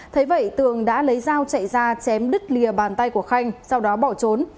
thế vậy tường đã lấy dao chạy ra chém đứt lìa bàn tay của khanh sau đó bỏ trốn